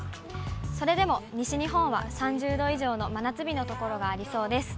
それでも西日本は３０度以上の真夏日の所がありそうです。